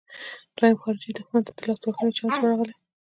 دویم خارجي دښمن ته د لاسوهنې چانس ورغلی.